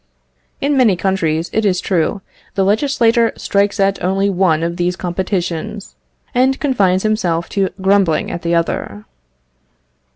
In many countries, it is true, the legislator strikes at only one of these competitions, and confines himself to grumbling at the other.